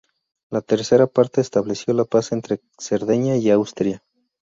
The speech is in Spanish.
La tercera parte estableció la paz entre Cerdeña y Austria.